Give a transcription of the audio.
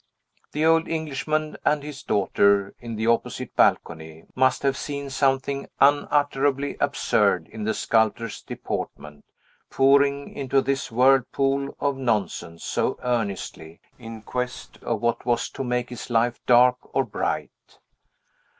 The old Englishman and his daughters, in the opposite balcony, must have seen something unutterably absurd in the sculptor's deportment, poring into this whirlpool of nonsense so earnestly, in quest of what was to make his life dark or bright.